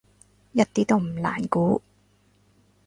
一啲都唔難估